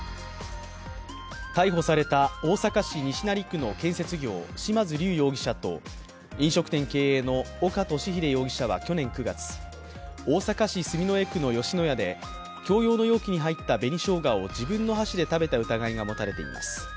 逮捕された大阪市西成区の建設業・嶋津龍容疑者と飲食店経営の岡敏秀容疑者は去年９月、大阪市住之江区の吉野家で共用の容器に入った紅しょうがを自分の箸で食べた疑いが持たれています。